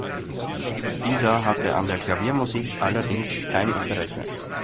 Dieser hatte an der Klaviermusik allerdings kein Interesse.